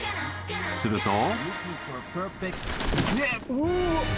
［すると］